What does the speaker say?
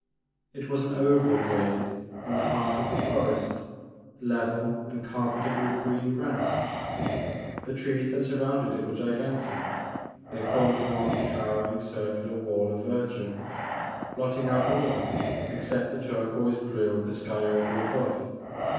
It was an oval glade in the heart of the forest, level and carpeted with green 2 2 The Maker of Moons. grass. The trees that surrounded it were gigan tic ; they formed one towering circular wall of verdure, blotting out all except the turquoise blue of the sky oval above.